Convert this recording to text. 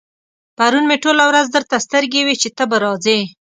پرون مې ټوله ورځ درته سترګې وې چې ته به راځې.